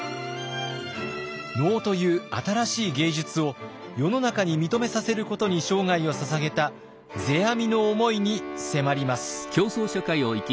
能という新しい芸術を世の中に認めさせることに生涯をささげた世阿弥の思いに迫ります。